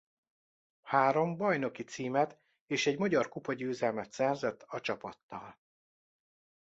Három bajnoki címet és egy magyar kupa-győzelmet szerzett a csapattal.